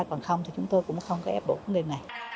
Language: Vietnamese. còn không thì chúng tôi cũng không có ép buộc đến đây này